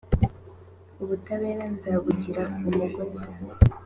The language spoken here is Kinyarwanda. ubutabera nzabugira umugozi